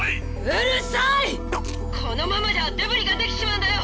このままじゃデブリができちまうんだよ。